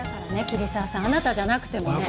桐沢さんあなたじゃなくてもね。